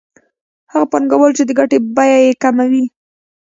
هغه پانګوال چې د ګټې بیه یې کمه وي